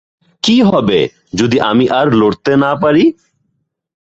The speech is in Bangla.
কী হবে যদি আমি আর লড়তে না পারি?